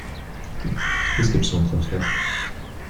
Qu’est-ce qu’elles sont en train de faire ?